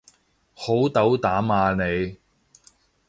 好斗膽啊你